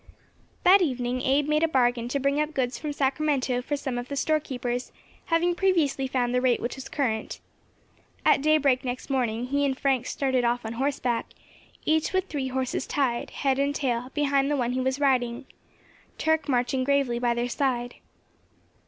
That evening Abe made a bargain to bring up goods from Sacramento for one of the store keepers, having previously found the rate which was current. At daybreak next morning he and Frank started off on horseback, each with three horses tied, head and tail, behind the one he was riding, Turk marching gravely by their side.